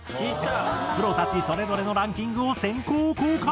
プロたちそれぞれのランキングを先行公開。